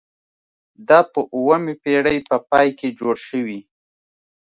دا په اوومې پیړۍ په پای کې جوړ شوي.